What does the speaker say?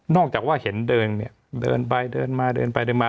จากว่าเห็นเดินเนี่ยเดินไปเดินมาเดินไปเดินมา